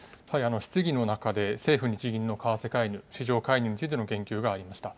質疑の中で政府・日銀の為替介入市場介入についての言及がありました。